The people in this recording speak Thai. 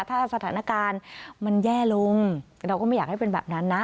ถ้าสถานการณ์มันแย่ลงเราก็ไม่อยากให้เป็นแบบนั้นนะ